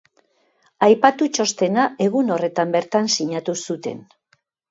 Aipatu txostena egun horretan bertan sinatu zuten.